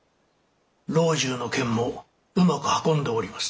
老中の件もうまく運んでおります。